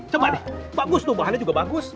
coba nih bagus tuh bahannya juga bagus